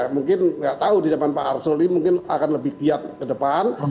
mungkin gak tahu di zaman pak asur ini mungkin akan lebih kiat ke depan